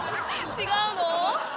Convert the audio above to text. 違うのよ。